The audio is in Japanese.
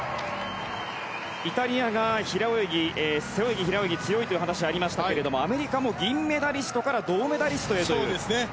イタリアが背泳ぎ、平泳ぎ強いという話がありましたがアメリカも銀メダリストから銅メダリストへという。